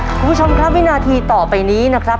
คุณผู้ชมครับวินาทีต่อไปนี้นะครับ